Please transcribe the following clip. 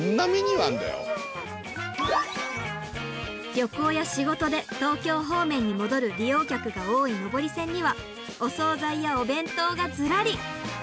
旅行や仕事で東京方面に戻る利用客が多い上り線にはお総菜やお弁当がずらり！